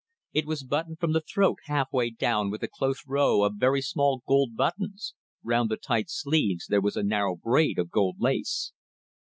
It was buttoned from the throat halfway down with a close row of very small gold buttons; round the tight sleeves there was a narrow braid of gold lace.